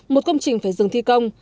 một công trình phải dừng thi công